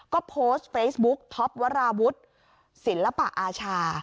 ก็โพสต์เฟซบุ๊กท็อปวราวุฒิศิลปะอาชา